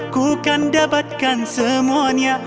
ku kan dapatkan semuanya